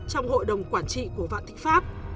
trong hội đồng quản trị của vạn thịnh pháp